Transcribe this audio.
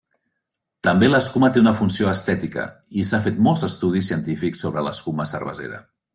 També l'escuma té una funció estètica i s'ha fet molts estudis científics sobre l'escuma cervesera.